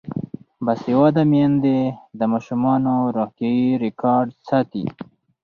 باسواده میندې د ماشومانو روغتیايي ریکارډ ساتي.